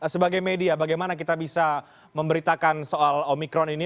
sebagai media bagaimana kita bisa memberitakan soal omikron ini